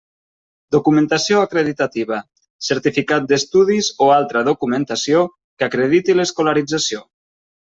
Documentació acreditativa: certificat d'estudis o altra documentació que acrediti l'escolarització.